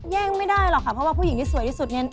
ไม่ได้หรอกค่ะเพราะว่าผู้หญิงที่สวยที่สุดเนี่ย